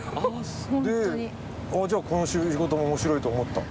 でこの仕事も面白いと思ったの？